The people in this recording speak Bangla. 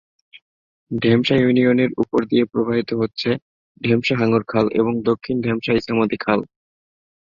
ঢেমশা ইউনিয়নের উপর দিয়ে প্রবাহিত হচ্ছে ঢেমশা হাঙ্গর খাল এবং দক্ষিণ ঢেমশা ইছামতি খাল।